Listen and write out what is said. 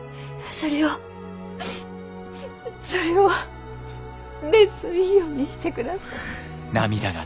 それをそれをレッスン費用にしてください。